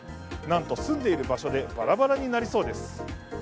なんと、住んでいる場所でバラバラになりそうです。